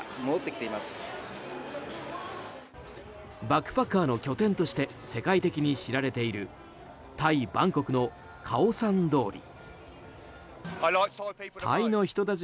バックパッカーの拠点として世界的に知られているタイ・バンコクのカオサン通り。